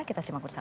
kita simak bersama